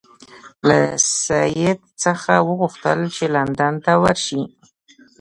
له سید څخه وغوښتل چې لندن ته ورشي.